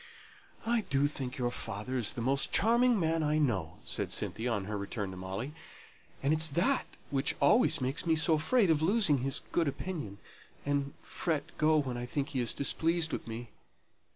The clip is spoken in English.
"I do think your father is the most charming man I know," said Cynthia, on her return to Molly; "and it's that which always makes me so afraid of losing his good opinion, and fret so when I think he is displeased with me.